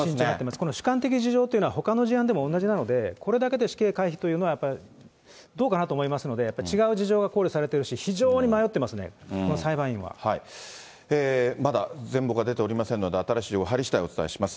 この主観的事情っていうのはほかの事案でも同じなので、これだけで死刑回避というのはやっぱりどうかなと思いますので、やっぱ違う事情が考慮されてるし、非常に迷ってますね、この裁判員まだ全部が出ておりませんので、新しい情報入りしだいお伝えいたします。